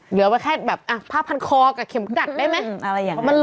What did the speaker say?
เหลือว่าแค่แบบผ้าพันคอกับเข็มขนัดได้ไหมมันลดค่าชุดจ่าย